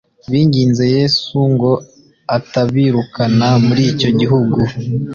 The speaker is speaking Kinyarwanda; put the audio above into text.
binginze yesu ngo atabirukana muri icyo gihugu